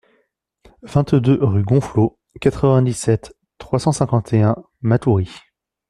vingt-deux rue Gonfolo, quatre-vingt-dix-sept, trois cent cinquante et un, Matoury